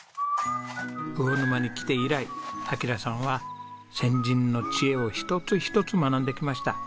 魚沼に来て以来暁良さんは先人の知恵を一つ一つ学んできました。